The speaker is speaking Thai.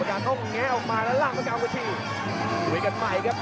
ประกาศเค้าแง่ออกมาแล้วลั่งประกาศกับทีรวยกันใหม่ครับ